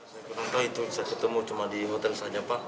saya kurang tahu itu saya ketemu cuma di hotel saja pak